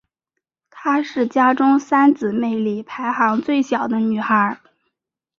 她是家中三姊妹里排行最小的女孩。